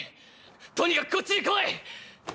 とにかくこっちに来い！